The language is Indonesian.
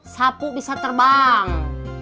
sapu bisa terbang